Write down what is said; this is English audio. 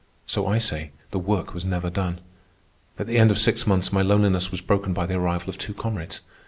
So I say, the work was never done. At the end of six months my loneliness was broken by the arrival of two comrades.